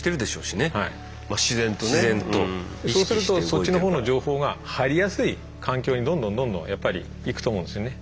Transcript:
そっちのほうの情報が入りやすい環境にどんどんどんどんやっぱり行くと思うんですよね。